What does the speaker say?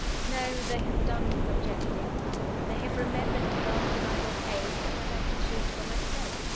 "No, they have done with objecting. They have remembered at last that I am of age, and that I can choose for myself.